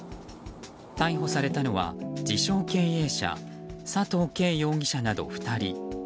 逮捕されたのは自称経営者佐藤敬容疑者など、２人。